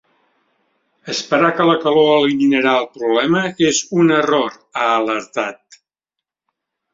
Esperar que la calor eliminarà el problema és un error ha alertat.